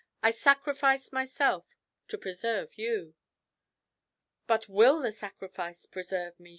I sacrificed myself to preserve you." "But will the sacrifice preserve me?"